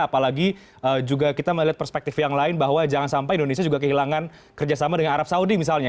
apalagi juga kita melihat perspektif yang lain bahwa jangan sampai indonesia juga kehilangan kerjasama dengan arab saudi misalnya